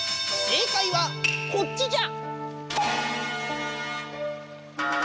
正解はこっちじゃ！